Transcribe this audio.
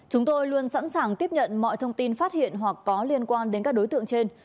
chúng tôi luôn sẵn sàng tiếp nhận mọi thông tin phát hiện hoặc có liên quan đến các đối tượng trên